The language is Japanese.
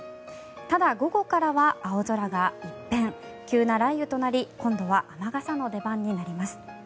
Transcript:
ただ、午後からは青空が一変急な雷雨となり今度は雨傘の出番になります。